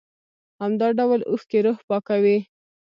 همدا ډول اوښکې روح پاکوي.